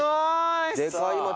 でかい街。